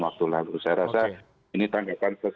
waktu lalu saya rasa ini tanggapan